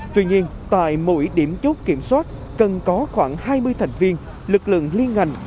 tuy nhiên tại mỗi điểm chốt kiểm soát cần có khoảng hai mươi thành viên lực lượng liên ngành